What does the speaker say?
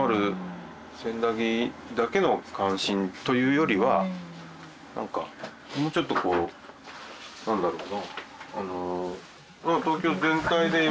わりと何かもうちょっとこう何だろうな